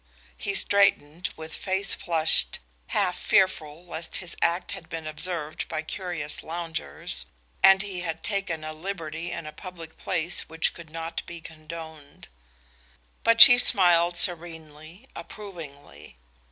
He straightened, with face flushed, half fearful lest his act had been observed by curious loungers, and he had taken a liberty in a public place which could not be condoned. But she smiled serenely, approvingly.